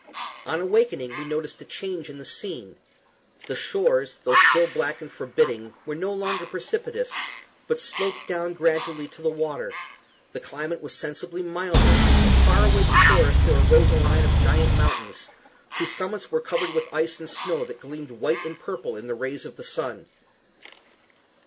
On awakening we noticed a change in the scene. The shores, though still black and forbidding, were no longer precipitous, but sloped down gradually to the water; the climate was sensibly milder, and far away before us there arose a line of giant mountains, whose summits were covered with ice and snow that gleamed white and purple in the rays of the sun.